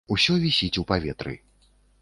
Усё вісіць у паветры.